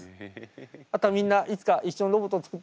あとはみんないつか一緒にロボットを作って。